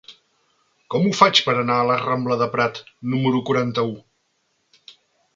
Com ho faig per anar a la rambla de Prat número quaranta-u?